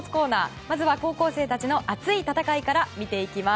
まずは高校生たちの熱い戦いから見ていきます。